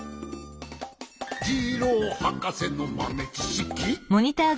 「ジローはかせのまめちしき！」